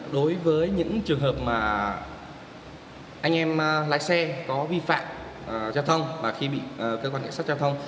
đối với những trường hợp mà anh em lái xe có vi phạm giao thông và khi bị cơ quan cảnh sát giao thông